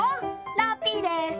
ラッピーです！